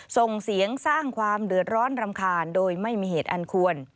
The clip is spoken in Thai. ส่งเสียงสร้างความเดือดร้อนรำคาญโดยไม่มีเหตุอันควร